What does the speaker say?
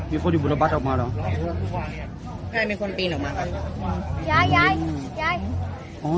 มีคนอยู่บุรบัตรออกมาเหรอ